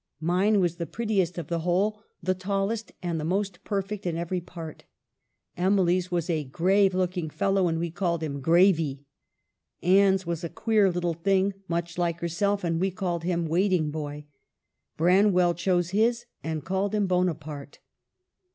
Mine was the prettiest of the whole, the tallest and the most perfect in every part. Emily's was a grave looking fellow, and we called him ' Gravey.' Anne's was a queer little thing, much like herself, and we called him ' Waiting boy.' Branwell chose his, and called him Bonaparte."